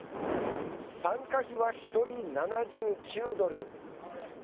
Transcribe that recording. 参加費は１人７９ドル。